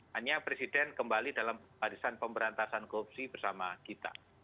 hanya presiden kembali dalam barisan pemberantasan korupsi bersama kita